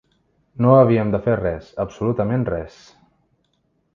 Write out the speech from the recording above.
No havíem de fer res, absolutament res!